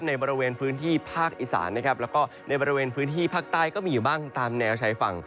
ในบริเวณพื้นที่ภาคอิสานและในบริเวณพื้นที่ภาคใต้ก็มีบ้างตามแนวใช้ฝั่ง